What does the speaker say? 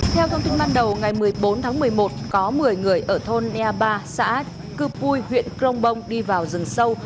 theo thông tin ban đầu ngày một mươi bốn tháng một mươi một có một mươi người ở thôn nea ba xã cư pui huyện crong bông đi vào rừng sâu